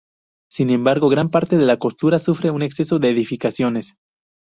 Sin embargo, gran parte de la costa sufre un exceso de edificaciones.